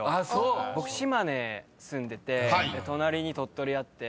僕島根住んでて隣に鳥取あって。